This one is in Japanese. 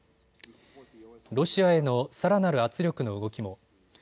ロシアへのさらなる圧力の動きも。